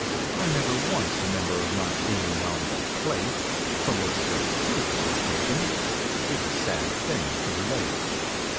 I never once remember of My being on the "plate" From which the "proof" was taken— ('Tis a sad thing to relate).